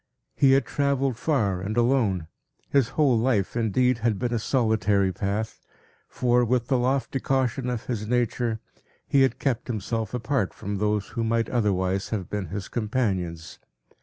He had travelled far and alone; his whole life, indeed, had been a solitary path; for, with the lofty caution of his nature, he had kept himself apart from those who might otherwise have been his companions.